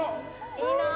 いいなぁ。